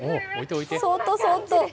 そっとそっと。